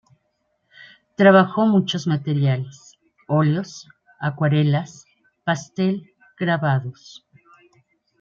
Trabajó muchos materiales: óleos, acuarelas, pastel, grabados.